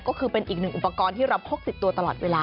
ก็คือเป็นอีกหนึ่งอุปกรณ์ที่เราพกติดตัวตลอดเวลา